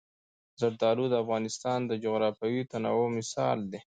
زردالو د افغانستان د جغرافیوي تنوع مثال دی.